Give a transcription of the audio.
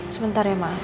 sebentar ya maaf